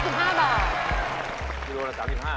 กิโลกรัม๓๕